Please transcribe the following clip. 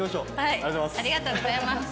ありがとうございます。